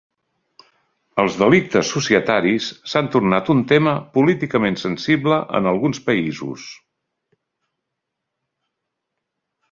Els delictes societaris s'han tornat un tema políticament sensible en alguns països.